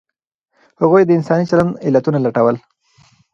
هغوی د انساني چلند علتونه لټول.